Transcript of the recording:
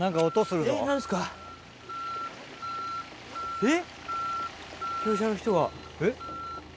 えっ！